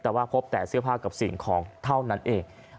แต่ว่าพบแต่เสื้อผ้ากับสิ่งของเท่านั้นเอง